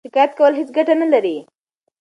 شکایت کول هیڅ ګټه نلري.